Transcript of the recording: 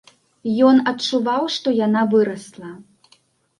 Ён адчуваў, што яна вырасла.